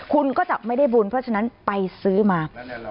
คุณก็จะไม่ได้บุญเพราะฉะนั้นไปซื้อมา